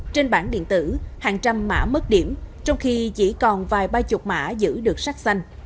trên bản điện tử hàng trăm mã mất điểm trong khi chỉ còn vài ba mươi mã giữ được sắc xanh